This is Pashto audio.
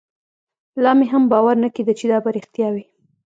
لا مې هم باور نه کېده چې دا به رښتيا وي.